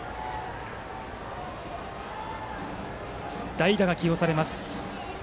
代打が起用されます。